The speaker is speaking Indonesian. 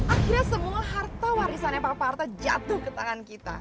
akhirnya semua harta warisannya pak parto jatuh ke tangan kita